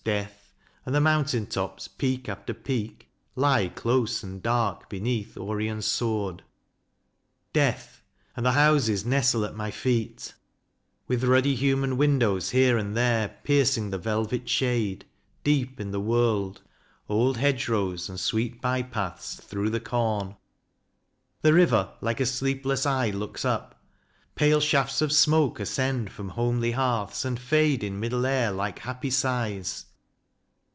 Death and the mountain tops, peak after peak, Lie close and dark beneath Orion's sword. Death and the houses nestle at my feet, With ruddy human windows here and there Piercing the velvet shade deep in the world, Old hedge rows and sweet by paths through the corn ! 196 CRITICAL STUDIES The river like a sleepless eye looks up. Pale shafts of smoke ascend from homely hearths, And fade in middle air like happy sighs.